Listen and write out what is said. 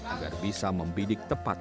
agar bisa membidik tepat